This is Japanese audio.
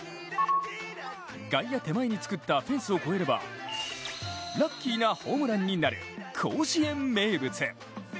外野手前に作ったフェンスを越えればラッキーなホームランになる甲子園名物。